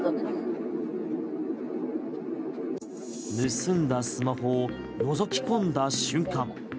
盗んだスマホをのぞき込んだ瞬間